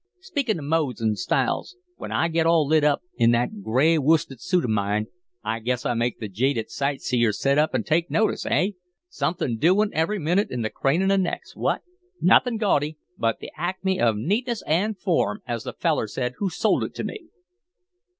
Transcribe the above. Speakin' of modes an' styles, when I get all lit up in that gray woosted suit of mine, I guess I make the jaded sight seers set up an' take notice eh? Somethin' doin' every minute in the cranin' of necks what? Nothin' gaudy, but the acme of neatness an' form, as the feller said who sold it to me."